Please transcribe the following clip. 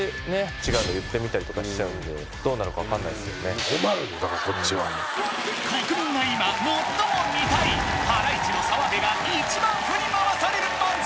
違うの言ってみたりとかしちゃうんで困るのだからこっちは国民が今最も見たいハライチの澤部が一番振り回される漫才